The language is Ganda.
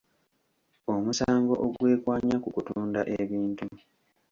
Omusango ogwekwanya ku kutunda ebintu.